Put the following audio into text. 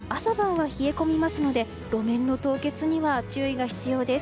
ただ、朝晩は冷え込みますので路面の凍結には注意が必要です。